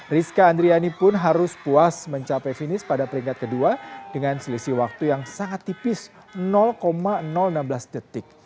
rizka andriani pun harus puas mencapai finish pada peringkat kedua dengan selisih waktu yang sangat tipis enam belas detik